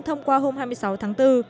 thông qua hôm hai mươi sáu tháng bốn